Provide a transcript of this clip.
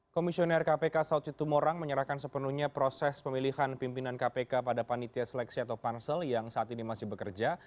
komisioner kpk saud situmorang menyerahkan sepenuhnya proses pemilihan pimpinan kpk pada panitia seleksi atau pansel yang saat ini masih bekerja